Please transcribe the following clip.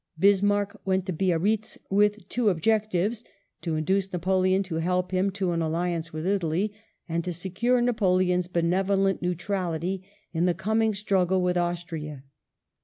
Bismarck went to Biarritz with two objects : to induce Napoleon to help him to an alliance with Italy, and to secure Napoleon's benevolent neutrality in the coming struggle with Austria.